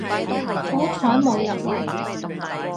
好彩冇入嚟